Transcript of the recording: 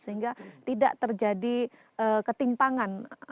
sehingga tidak terjadi ketimpangan